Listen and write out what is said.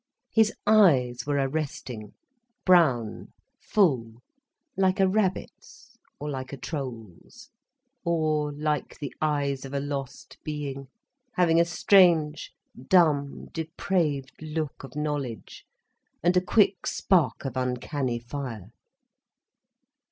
His eyes were arresting—brown, full, like a rabbit's, or like a troll's, or like the eyes of a lost being, having a strange, dumb, depraved look of knowledge, and a quick spark of uncanny fire.